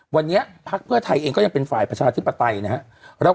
วันนี้พักเพื่อไทยเองก็ยังเป็นฝ่ายประชาธิปไตยนะครับ